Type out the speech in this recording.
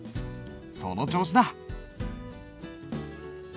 その調子だ。